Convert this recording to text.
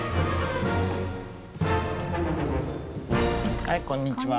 はいこんにちは。